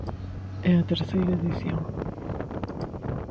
É a terceira edición.